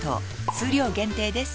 数量限定です